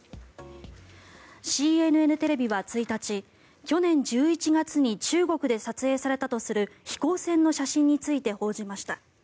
ＣＮＮテレビは１日去年１１月に中国で撮影されたとする飛行船の写真について報じました。